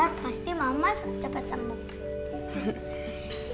ntar pasti mama cepet sembuh